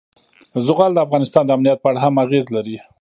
زغال د افغانستان د امنیت په اړه هم اغېز لري.